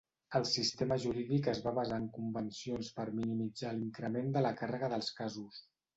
El sistema jurídic es va basar en convencions per minimitzar l'increment de la càrrega dels casos.